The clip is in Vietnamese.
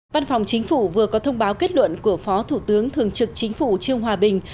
văn phòng chính phủ vừa có thông báo kết luận của phó thủ tướng thường trực chính phủ trương hòa bình